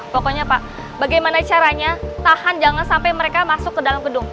pokoknya pak bagaimana caranya tahan jangan sampai mereka masuk ke dalam gedung